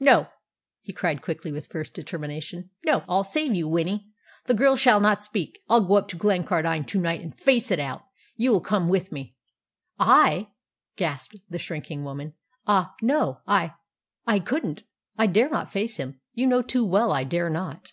"No," he cried quickly, with fierce determination. "No, I'll save you, Winnie. The girl shall not speak. I'll go up to Glencardine to night and face it out. You will come with me." "I!" gasped the shrinking woman. "Ah, no. I I couldn't. I dare not face him. You know too well I dare not!"